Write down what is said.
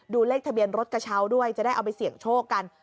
เลขทะเบียนรถกระเช้าด้วยจะได้เอาไปเสี่ยงโชคกัน